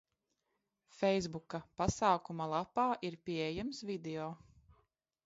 Feisbuka pasākuma lapā ir pieejams video.